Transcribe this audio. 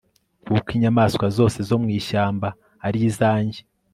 kuko inyamaswa zose zo mu ishyamba ari izanjye